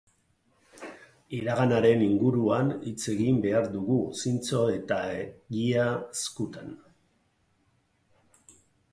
Iraganaren inguruan hitz egin behar dugu, zintzo eta egia eskutan.